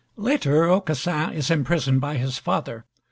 Later, Aucassin is imprisoned by his father.